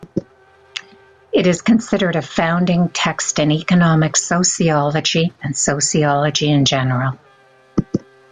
It is considered a founding text in economic sociology and sociology in general.